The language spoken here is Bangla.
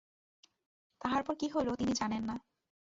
তাহার পর কী হইল তিনি জানেন না।